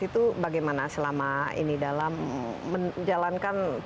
itu bagaimana selama ini dalam menjalankan